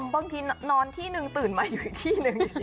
บางทีนอนที่หนึ่งตื่นมาอยู่อีกที่หนึ่ง